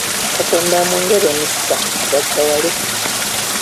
Katonda amwongere emikisa agaggawale.